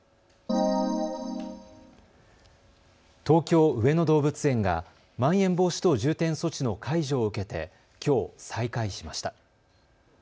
東京上野動物園がまん延防止等重点措置の解除を受けてきょう再開しました。